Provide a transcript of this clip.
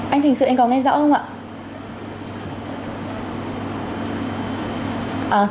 anh thành sự anh có nghe rõ không ạ